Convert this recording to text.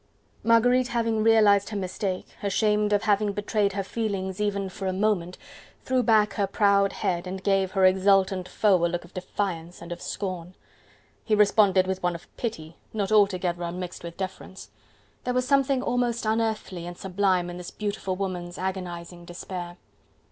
Marguerite having realized her mistake, ashamed of having betrayed her feelings even for a moment, threw back her proud head and gave her exultant foe a look of defiance and of scorn. He responded with one of pity, not altogether unmixed with deference. There was something almost unearthly and sublime in this beautiful woman's agonizing despair.